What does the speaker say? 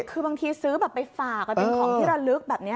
คือบางทีซื้อแบบไปฝากเป็นของที่ระลึกแบบนี้